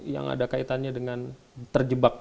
yang ada kaitannya dengan terjebak